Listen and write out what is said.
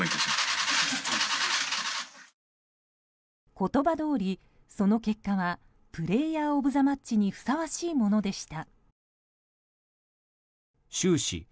言葉どおり、その結果はプレーヤー・オブ・ザ・マッチにふさわしいものでした。